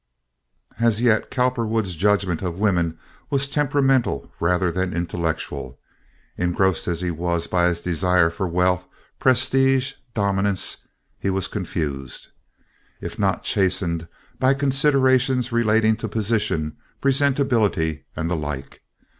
As yet, Cowperwood's judgment of women was temperamental rather than intellectual. Engrossed as he was by his desire for wealth, prestige, dominance, he was confused, if not chastened by considerations relating to position, presentability and the like.